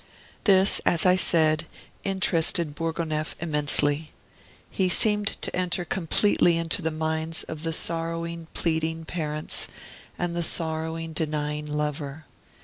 This, as I said, interested Bourgonef immensely. He seemed to enter completely into the minds of the sorrowing, pleading parents, and the sorrowing, denying lover.